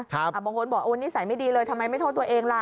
บางคนบอกโอ้นิสัยไม่ดีเลยทำไมไม่โทษตัวเองล่ะ